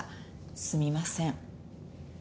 すみません。